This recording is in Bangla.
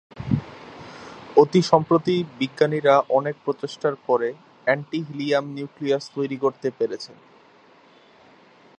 অতি সম্প্রতি বিজ্ঞানীরা অনেক প্রচেষ্টার পরে এন্টি-হিলিয়াম নিউক্লিয়াস তৈরি করতে পেরেছেন।